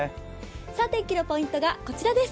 天気のポイントがこちらです。